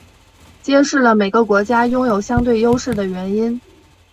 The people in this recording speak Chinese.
揭示了每个国家拥有相对优势的原因。